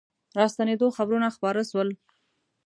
راستنېدلو خبرونه خپاره سول.